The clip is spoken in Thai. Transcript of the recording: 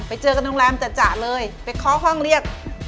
ไปเจอกันโรงแรมจ่ะเลยไปเคาะห้องเรียก